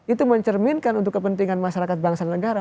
itu mencerminkan untuk kepentingan masyarakat bangsa dan negara